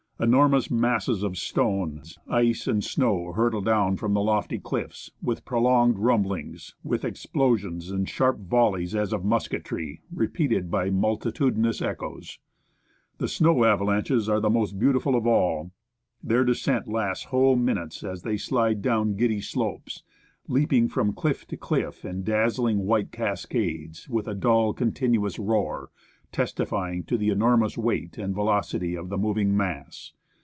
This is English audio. Enormous masses of stones, ice, and snow hurtle down from the lofty cliffs, with pro longed rumblings, with explosions and sharp volleys as of musketry, repeated by multitudinous echoes. The snow avalanches are the most beautiful of all. Their descent lasts whole minutes as they slide down giddy slopes, leaping from cliff to cliff in dazzling white cascades, with a dull, continuous roar, testifying to the enormous weight and velocity of the moving mass.